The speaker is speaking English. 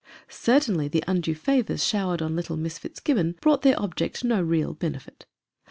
Certainly, the undue favors showered on little Miss Fitzgib bon brought their object no real benefit.